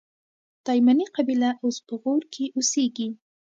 تایمني قبیله اوس په غور کښي اوسېږي.